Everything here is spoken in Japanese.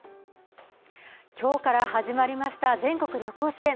今日から始まりました全国旅行支援。